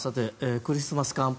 クリスマス寒波